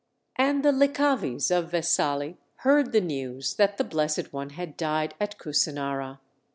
And the Likkhavis of Vesali heard the news that the Blessed One had died at Kusinara.